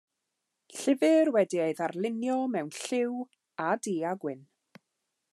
Llyfr wedi ei ddarlunio mewn lliw a du-a-gwyn.